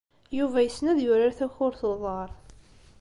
Yuba yessen ad yurar takurt n uḍar.